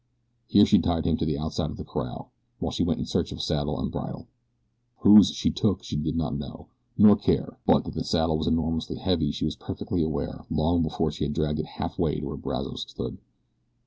Here she tied him to the outside of the corral, while she went in search of saddle and bridle. Whose she took she did not know, nor care, but that the saddle was enormously heavy she was perfectly aware long before she had dragged it halfway to where Brazos stood.